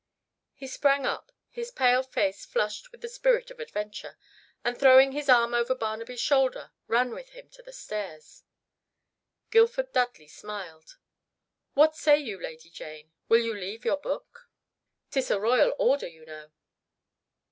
He sprang up, his pale face flushed with the spirit of adventure, and throwing his arm over Barnaby's shoulder ran with him to the stairs. Guildford Dudley smiled. "What say you, Lady Jane? Will you leave your book? 'Tis the royal order, you know."